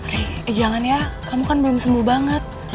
ray ray jangan ya kamu kan belum sembuh banget